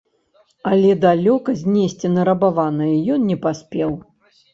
Але далёка знесці нарабаванае ён не паспеў.